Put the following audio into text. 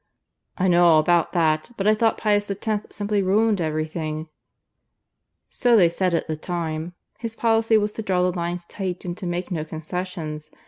"I know all about that. But I thought Pius X simply ruined everything." "So they said at the time. His policy was to draw the lines tight and to make no concessions.